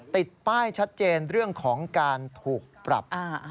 ติดป้ายชัดเจนเรื่องของการถูกปรับ